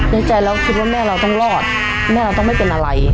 ในใจเราคิดว่าแม่เราต้องรอดแม่เราต้องไม่เป็นอะไร